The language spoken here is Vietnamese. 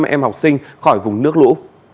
một trăm linh năm em học sinh khỏi vùng nước lũ